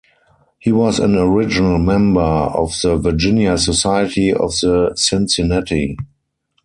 He was an original member of the Virginia Society of the Cincinnati.